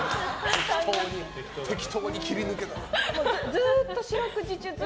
適当に切り抜けて。